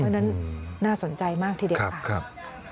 เพราะฉะนั้นน่าสนใจมากทีเดียวค่ะ